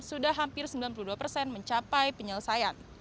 sudah hampir sembilan puluh dua persen mencapai penyelesaian